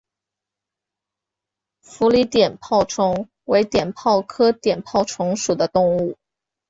佛理碘泡虫为碘泡科碘泡虫属的动物。